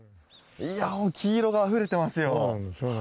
黄色があふれていますよ！